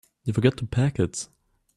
You forgot to pack it.